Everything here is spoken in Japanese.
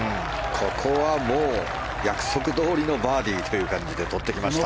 ここはもう、約束どおりのバーディーという感じで取ってきました。